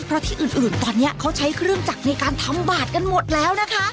เพราะที่อื่นตอนนี้เขาใช้เครื่องจักรในการทำบาทกันหมดแล้วนะคะ